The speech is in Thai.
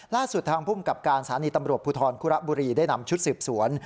ล่าสุดทางภูมิกับการสถานีตำรวจภูทรคุระบุรีได้นำชุดสืบสวน